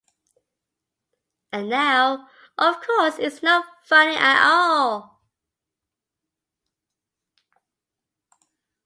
And now, of course it's not funny at all.